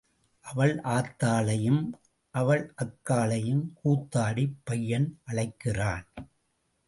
அவள் ஆத்தாளையும் அவள் அக்காளையும் கூத்தாடிப் பையன் அழைக்கிறான்.